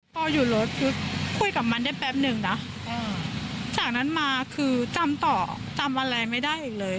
พออยู่รถคือคุยกับมันได้แป๊บหนึ่งนะจากนั้นมาคือจำต่อจำอะไรไม่ได้อีกเลย